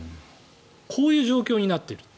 こういう状況になっていると。